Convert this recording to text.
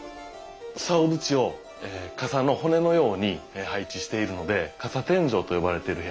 さお縁を傘の骨のように配置しているので傘天井と呼ばれている部屋なんですよ。